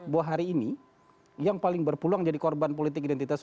bahwa hari ini yang paling berpeluang jadi korban politik identitas